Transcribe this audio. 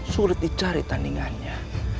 sulit dicari tandingannya